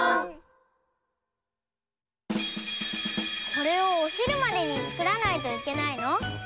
これをおひるまでにつくらないといけないの？